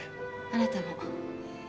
あなたも。